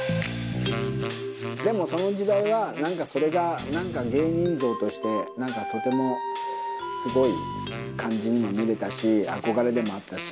でもその時代は、なんかそれが、なんか芸人像として、なんかとてもすごい感じにも見れたし、憧れでもあったし。